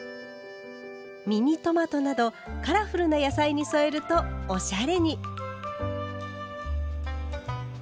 ミニトマトなどカラフルな野菜に添えるとおしゃれに。